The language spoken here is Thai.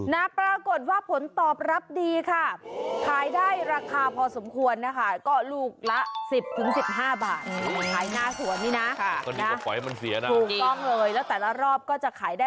นาปรากฏว่าผลตอบรับดีค่ะขายได้ราคาพอสมควรนะคะ